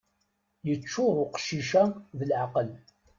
Yeččur uqcic-a d leɛqel.